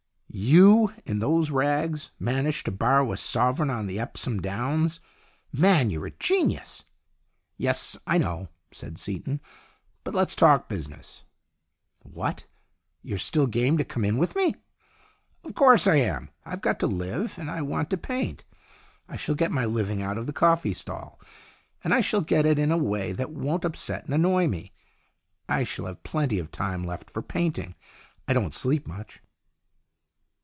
"You, in those rags, managed to borrow a sovereign up on Epsom Downs? Man, you're a genius." "Yes, I know," said Seaton. "But let's talk business." "What? You're still game to come in with me?" "Of course I am. I've got to live, and I want to paint. I shall get my living out of the coffee stall, and I shall get it in a way that won't upset and annoy me. I shall have plenty of time left for painting. I don't sleep much."